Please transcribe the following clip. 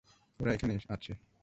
ওরা এখানে আছে।